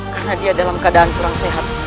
karena dia dalam keadaan kurang sehat